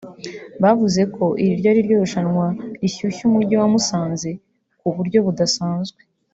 bavuze ko iri ariryo rushanwa rishyushya umujyi wa Musanze ku buryo budasanzwe